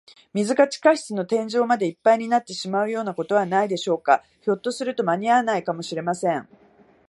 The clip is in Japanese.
水が地下室の天井までいっぱいになってしまうようなことはないでしょうか。ひょっとすると、まにあわないかもしれません。